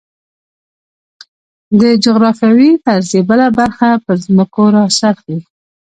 د جغرافیوي فرضیې بله برخه پر ځمکو راڅرخي.